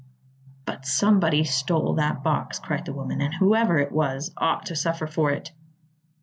"But somebody stole that box," cried the woman, "and whoever it was ought to suffer for it."